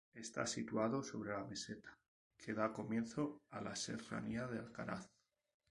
Está situado sobre la meseta que da comienzo a la serranía de Alcaraz.